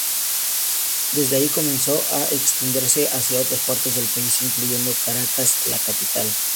Desde ahí comenzó a extenderse hacia otras partes del país, incluyendo Caracas, la capital.